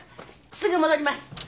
すぐ戻ります。